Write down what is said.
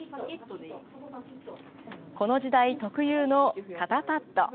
この時代特有の肩パッド。